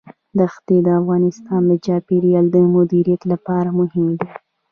دښتې د افغانستان د چاپیریال د مدیریت لپاره مهم دي.